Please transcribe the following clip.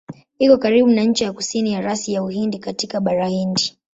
Iko karibu na ncha ya kusini ya rasi ya Uhindi katika Bahari Hindi.